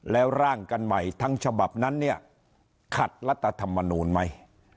แล้วร่างกันใหม่ทั้งฉบับนั้นเนี่ยขัดรัฐธรรมนูลไหม